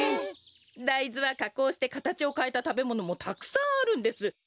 だいずはかこうしてかたちをかえたたべものもたくさんあるんです。